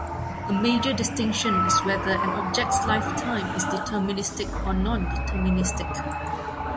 A major distinction is whether an object's lifetime is deterministic or non-deterministic.